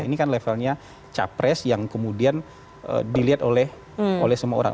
ini kan levelnya capres yang kemudian dilihat oleh semua orang